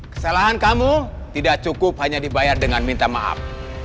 kesalahan kamu tidak cukup hanya dibayar dengan minta maaf